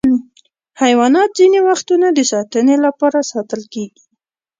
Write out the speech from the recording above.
حیوانات ځینې وختونه د ساتنې لپاره ساتل کېږي.